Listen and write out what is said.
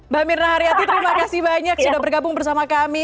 mbak mirna haryati terima kasih banyak sudah bergabung bersama kami